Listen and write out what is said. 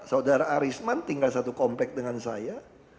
saudara arisman tinggal satu kompak dengan saya